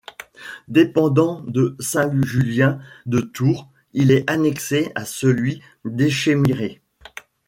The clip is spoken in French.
Dépendant de Saint-Julien de Tours, il est annexé à celui d'Échemiré.